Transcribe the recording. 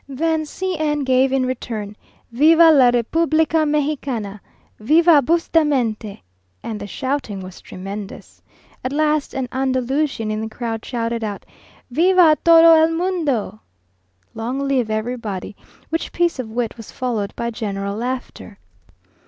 Then C n gave in return, "Viva la Republica Mexicana!" "Viva Bustamente!" and the shouting was tremendous. At last an Andalusian in the crowd shouted out, "Viva todo el Mundo!" (Long live everybody), which piece of wit was followed by general laughter.